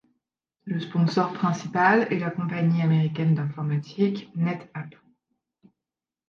Le sponsor principal est la compagnie américaine d'informatique NetApp.